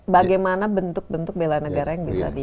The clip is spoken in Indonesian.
bagaimana bentuk bentuk bela negara yang bisa di